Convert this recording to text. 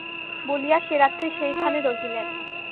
বলিয়া সে রাত্রি সেইখানে রহিলেন।